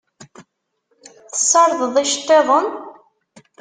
Tessardeḍ iceṭṭiḍen?